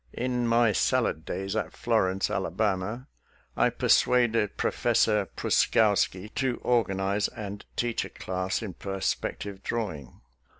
In my salad days at Florence, Alabama, I persuaded Pro fessor Pruskowski to organize and teach a class in perspective drawing.